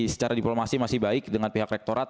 secara diplomasi masih baik dengan pihak rektorat